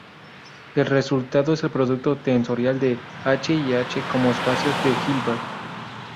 El resultado es el producto tensorial de "H" y "H" como espacios de Hilbert.